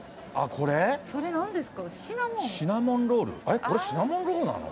これシナモンロールなの？